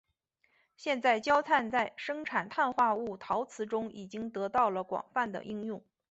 现在焦炭在生产碳化物陶瓷中已经得到了广泛的应用。